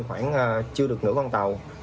khoảng chưa được nửa con tàu